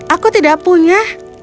aku tidak punya